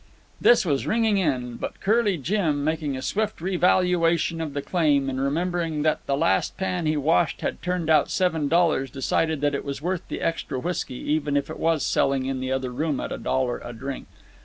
This was ringing in; but Curly Jim, making a swift revaluation of the claim, and remembering that the last pan he washed had turned out seven dollars, decided that it was worth the extra whisky, even if it was selling in the other room at a dollar a drink.